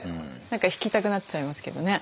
何か弾きたくなっちゃいますけどね。